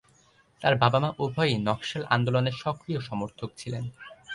তাঁর বাবা মা উভয়ই নকশাল আন্দোলনের সক্রিয় সমর্থক ছিলেন।